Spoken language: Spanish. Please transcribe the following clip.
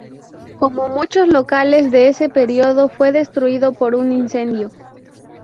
Como muchos locales de ese periodo fue destruido por un incendio.